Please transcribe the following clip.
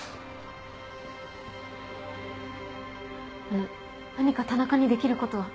あの何か田中にできることは。